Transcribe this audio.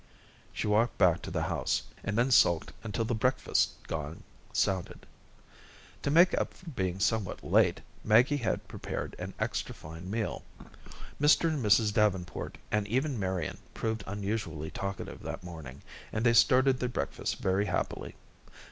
She walked back to the house, and then sulked until the breakfast gong sounded. To make up for being somewhat late, Maggie had prepared an extra fine meal. Mr. and Mrs. Davenport and even Marian proved unusually talkative that morning, and they started their breakfast very happily.